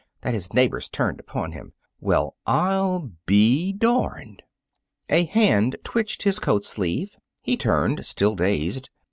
that his neighbors turned upon him, "Well, I'll be darned!" A hand twitched his coat sleeve. He turned, still dazed.